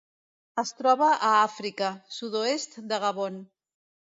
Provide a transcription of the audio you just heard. Es troba a Àfrica: sud-oest de Gabon.